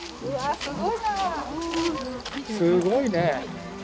すごいね！